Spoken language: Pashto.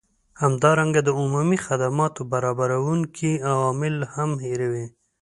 همدارنګه د عمومي خدماتو برابروونکي عوامل هم هیروي